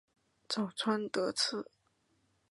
早川德次